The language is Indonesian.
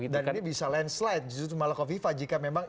dan ini bisa landslide jutumalakhovifah jika memang ini